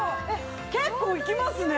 結構いきますね。